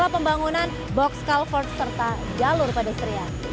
pembangunan box culvert serta jalur pedestrian